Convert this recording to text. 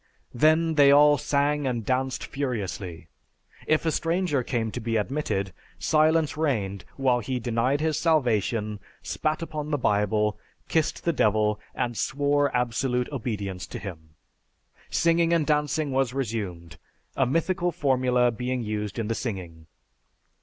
Then they all sang and danced furiously. If a stranger came to be admitted, silence reigned while he denied his salvation, spat upon the Bible, kissed the Devil, and swore absolute obedience to him. Singing and dancing was resumed, a mythical formula being used in the singing.